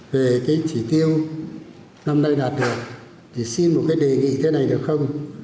về cái chỉ tiêu năm nay đạt được thì xin một cái đề nghị thế này được không